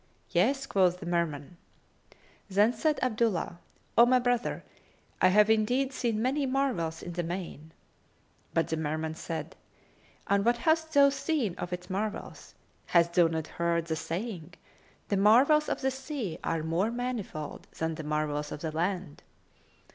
"Yes," quoth the Merman. Then said Abdullah "O my brother, I have indeed seen many marvels in the main!" But the Merman said, "And what hast thou seen of its marvels?[FN#267] Hast thou not heard the saying, 'The marvels of the sea are more manifold than the marvels of the land?'"